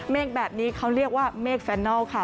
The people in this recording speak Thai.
เมฆแบบนี้เขาเรียกว่าเมฆแฟนนัลค่ะ